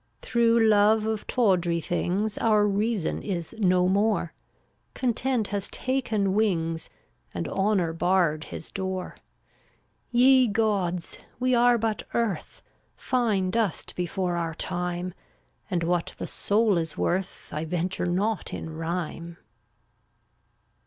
339 Through love of tawdry things Our reason is no more; Content has taken wings And Honor barred his door. Ye Gods ! we are but earth, Fine dust before our time; And what the soul is worth I venture not in rhyme.